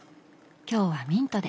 今日はミントで。